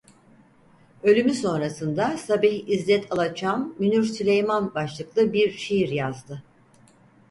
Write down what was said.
Ölümü sonrasında Sabih İzzet Alaçam "Münir Süleyman" başlıklı bir şiir yazdı.